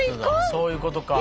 そういうことか。